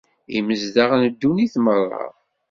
Imezdaɣ n ddunit merra.